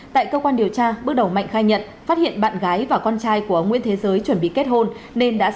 tại cơ quan điều tra bước đầu mạnh khai nhận phát hiện bạn gái và con trai của nguyễn thế giới chuẩn bị kết hôn nên đã sát hại hai vợ chồng ông giới